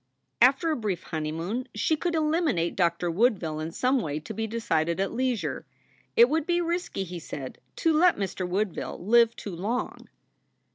After a brief honeymoon she could eliminate Doctor Woodville in some way to be decided at leisure. It would be risky, he said, to let Mr. Woodville live too long.